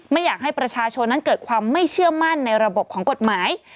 ไม่อยากให้ประชาชนนั้นเกิดความไม่เชื่อมั่นในระบบของกฎหมาย